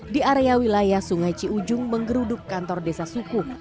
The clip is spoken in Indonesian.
di area wilayah sungai ciujung menggeruduk kantor desa suku